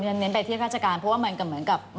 ฉันเน้นไปที่ข้าราชการเพราะว่าเหมือนกับ